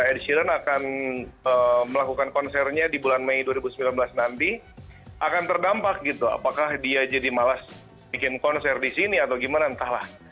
ed sheeran akan melakukan konsernya di bulan mei dua ribu sembilan belas nanti akan terdampak gitu apakah dia jadi malas bikin konser di sini atau gimana entahlah